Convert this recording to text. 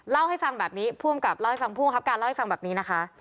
เล่าให้ฟังแบบนี้ผู้อำกับเล่าให้ฟังผู้บังคับการเล่าให้ฟังแบบนี้นะคะ